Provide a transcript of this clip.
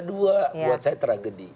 buat saya tragedi